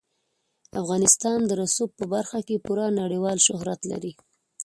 افغانستان د رسوب په برخه کې پوره نړیوال شهرت لري.